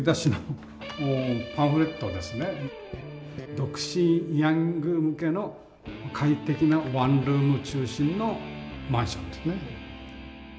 「独身ヤング向けの快適なワンルーム中心」のマンションですね。